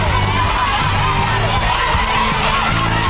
จำนวน๒๕ชุด